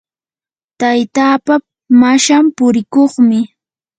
taytapaa mashan purikuqmi.